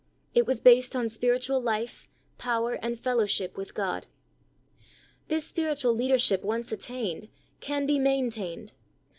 It was based on spiritual life, power and fellowship with God. This spiritual leadership once attained, can be maintained.